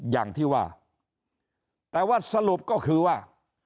อย่างที่ว่าแต่ว่าสรุปก็คือว่า